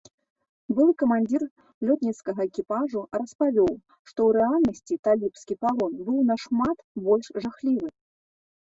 Былы камандзір лётніцкага экіпажу распавёў, што ў рэальнасці талібскі палон быў нашмат больш жахлівы.